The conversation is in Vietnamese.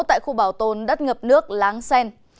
tại khu bảo tồn đất ngập nước láng sen